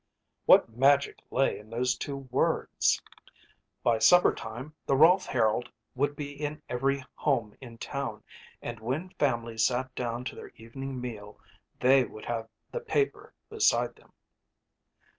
What magic lay in those two words. By supper time the Rolfe Herald would be in every home in town and, when families sat down to their evening meal, they would have the paper beside them.